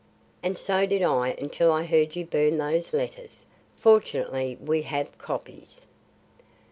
And so did I until I heard you burn those letters. Fortunately we have copies."